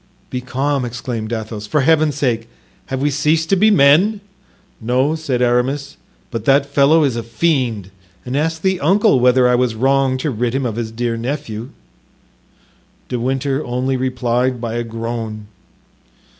"Be calm," exclaimed Athos, "for Heaven's sake! have we ceased to be men?" "No," said Aramis, "but that fellow is a fiend; and ask the uncle whether I was wrong to rid him of his dear nephew." De Winter only replied by a groan.